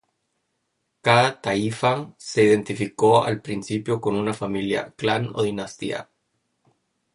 Cada taifa se identificó al principio con una familia, clan o dinastía.